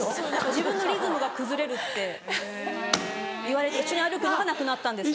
自分のリズムが崩れるって言われて一緒に歩くのはなくなったんです。